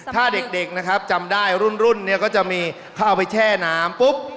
ถ้าเด็กนะครับจำได้รุ่นเนี่ยก็จะมีเขาเอาไปแช่น้ำปุ๊บ